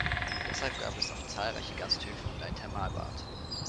Deshalb gab es auch zahlreiche Gasthöfe und ein Thermalbad.